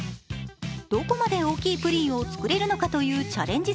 どこまで大きいプリンを作れるのかというチャレンジ